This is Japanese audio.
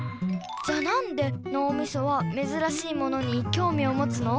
じゃあなんでのうみそはめずらしいものにきょうみをもつの？